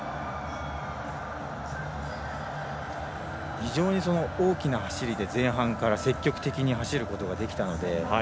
非常に大きな走りで前半から積極的に走ることができたので。